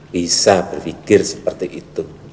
bisa berpikir seperti itu